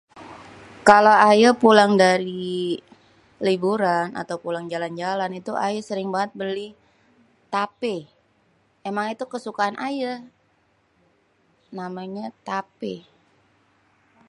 Kalo aye pulang dari liburan atau pulang jalan-jalan itu aye sering banget beli tapé emang itu kesukaan aye namenye tapé.